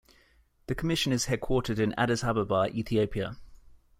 The Commission is headquartered in Addis Ababa, Ethiopia.